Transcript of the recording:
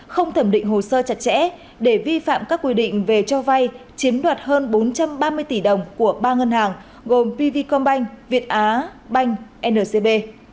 không thẩm định hồ sơ chặt chẽ để vi phạm các quy định về cho vay chiếm đoạt hơn bốn trăm ba mươi tỷ đồng của ba ngân hàng gồm pv com banh việt á banh ncb